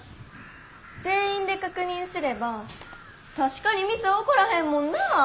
全員で確認すれば確かにミス起こらへんもんなあ。